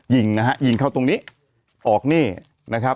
ยิงนะฮะยิงเข้าตรงนี้ออกนี่นะครับ